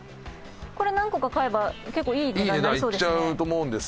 これ何個か買えば結構いい値段になりそうですね。